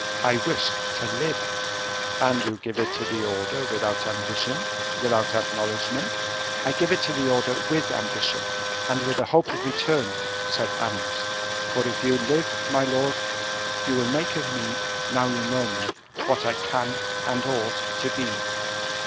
"I wished to live." "And you give it to the order without ambition, without acknowledgement?" "I give it to the order with ambition and with a hope of return," said Aramis; "for if you live, my lord, you will make of me, now you know me, what I can and ought to be."